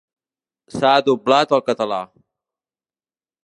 S'ha doblat al català.